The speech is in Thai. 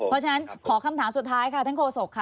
เพราะฉะนั้นขอคำถามสุดท้ายค่ะท่านโฆษกค่ะ